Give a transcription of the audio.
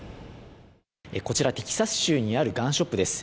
こちら、テキサス州にあるガンショップです。